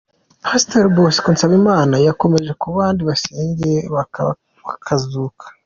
Pastor Bosco Nsabimana yakomoje ku bandi yasengeye bakazuka.